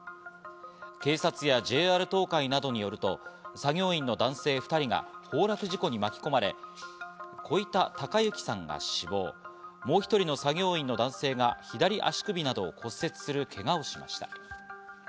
警察やＪＲ東海などによると作業員の男性２人が崩落事故に巻き込まれ、小板孝幸さんが死亡、もう一人の作業員の男性が左足首などを骨折するけがをしました。